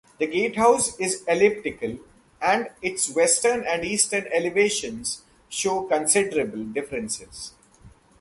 The gatehouse is elliptical, and its western and eastern elevations show considerable differences.